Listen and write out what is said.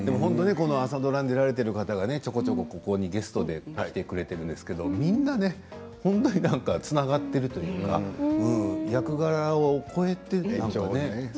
朝ドラに出られている方がちょこちょこ、ここにゲストで来てくださっているんですけれどもみんなつながっているというか役柄を超えた感じ。